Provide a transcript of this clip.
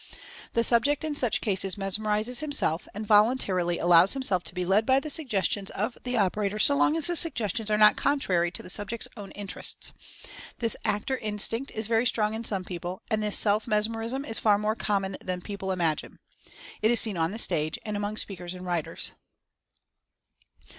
The subject in such cases mes merizes himself, and voluntarily allows himself to be led by the suggestions of the operator so long as the suggestions are not contrary to the subject's own in terests. This "actor instinct" is very strong in some people, and this self mesmerism is far more common than people imagine. It is seen on the stage, and among speakers and writers.